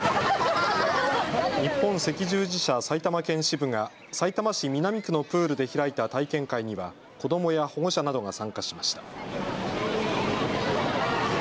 日本赤十字社埼玉県支部がさいたま市南区のプールで開いた体験会には子どもや保護者などが参加しました。